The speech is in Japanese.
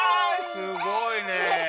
すごいね！